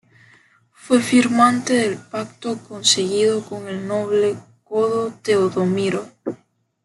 Fue firmante del pacto conseguido con el noble godo Teodomiro.